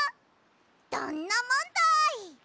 どんなもんだい！